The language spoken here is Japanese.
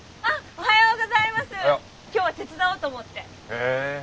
へえ。